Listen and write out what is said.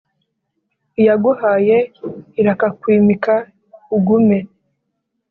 iyaguhaye irakakwimika ugume,